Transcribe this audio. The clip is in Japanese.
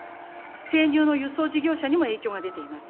生乳の輸送事業者にも影響が出ています。